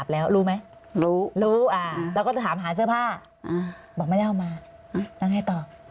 แล้วก็ถามหาเสื้อผ้าบอกไม่ได้เอามาจะไงต่อ